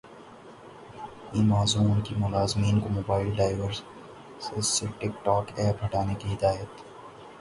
Amazon کی ملازمین کو موبائل ڈیوائسز سے ٹک ٹاک ایپ ہٹانے کی ہدایت